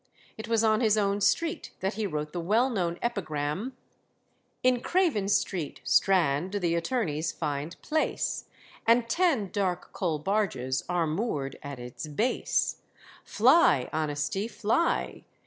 It was on his own street that he wrote the well known epigram "In Craven Street, Strand, the attorneys find place, And ten dark coal barges are moor'd at its base. Fly, Honesty, fly!